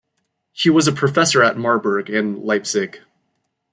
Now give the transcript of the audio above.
He was a Professor at Marburg and Leipzig.